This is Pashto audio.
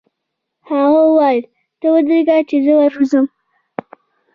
هغه وویل: ته ودرېږه چې زه ور ووځم.